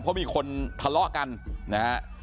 เพราะมีคนทะเลาะกันนะฮะ